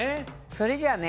それじゃあね